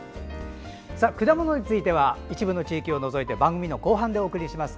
果物については一部の地域を除いて番組の後半でお送りします。